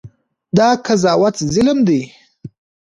دا قضاوت ظلم دی.